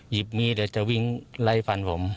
หยิบมีดเดี๋ยวจะวิ่งไล่ฟันผม